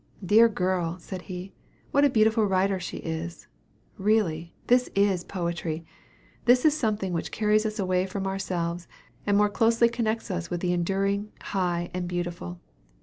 "Dear girl!" said he, "what a beautiful writer she is! Really, this is poetry! This is something which carries us away from ourselves, and more closely connects us with the enduring, high, and beautiful.